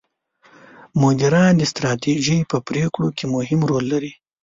مدیران د ستراتیژۍ په پرېکړو کې مهم رول لري.